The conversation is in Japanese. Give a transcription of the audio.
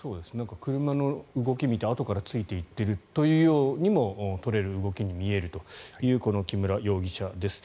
車の動きを見てあとからついていっているというようにも取れる動きに見えるというこの木村容疑者です。